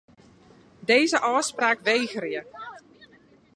Dizze ôfspraak wegerje.